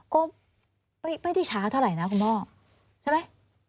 ก็ไม่ได้ช้าเท่าไหร่นะคุณพ่อใช่ไหม